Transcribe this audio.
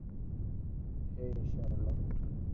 তাঁহার ইচ্ছা নয় যে বিভা তৎক্ষণাৎ তাঁহার এ প্রশ্নের উত্তর দেয়।